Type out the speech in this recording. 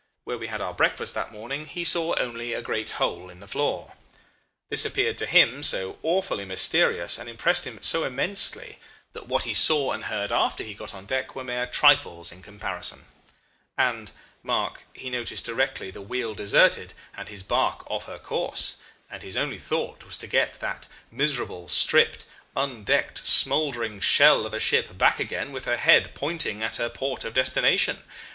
Where we had our breakfast that morning he saw only a great hole in the floor. This appeared to him so awfully mysterious, and impressed him so immensely, that what he saw and heard after he got on deck were mere trifles in comparison. And, mark, he noticed directly the wheel deserted and his barque off her course and his only thought was to get that miserable, stripped, undecked, smouldering shell of a ship back again with her head pointing at her port of destination.